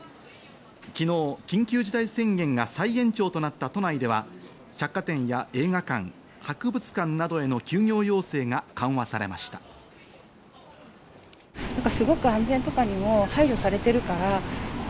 昨日、緊急事態宣言が再延長となった都内では、百貨店や映画館、博物館などへの休業要請が緩和されました。